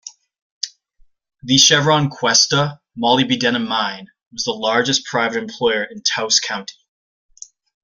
The Chevron Questa molybdenum mine was the largest private employer in Taos County.